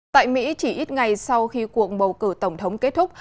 tại mỹ chỉ ít ngày sau khi cuộc bầu cử tổng thống kết thúc